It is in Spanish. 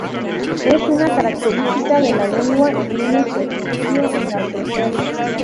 Es una característica de la lengua y tiene su estudio en la prosodia.